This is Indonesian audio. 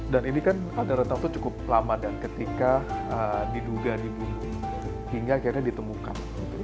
dan ini kan pada retak itu cukup lama dan ketika diduga dibunuh hingga akhirnya ditemukan